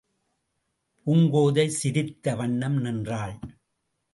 பூங்கோதை சிரித்த வண்ணம் நின்றாள்.